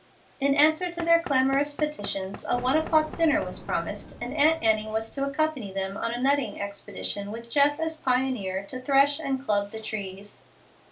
In answer to their clamorous petitions a one o'clock dinner was promised, and Aunt Annie was to accompany them on a nutting expedition with Jeff as pioneer to thresh and club the trees.